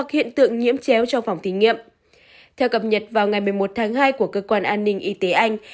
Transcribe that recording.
theo cập nhật vào ngày một mươi một tháng hai của cơ quan an ninh y tế anh